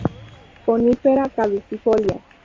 Conífera caducifolia.